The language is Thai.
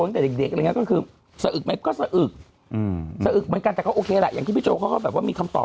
ตั้งแต่เด็กก็คือสะอึกไหมก็สะอึกแต่ก็โอเคแหละอย่างที่พี่โจ้เขาก็มีคำตอบ